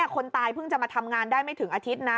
คนตายเพิ่งจะมาทำงานได้ไม่ถึงอาทิตย์นะ